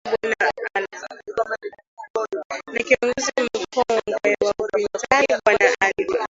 na kiongozi mukogwe wa upinzani bwana alfa